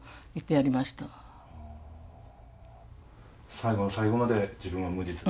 最後の最後まで自分は無実だと？